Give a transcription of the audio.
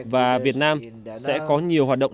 và việt nam sẽ có nhiều hoạt động